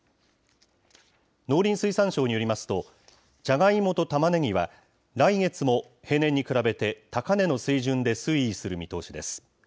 農林水産省によりますと、じゃがいもとたまねぎは、来月も平年に比べて高値の水準で推移する見通しです。